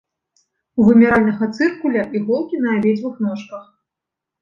У вымяральнага цыркуля іголкі на абедзвюх ножках.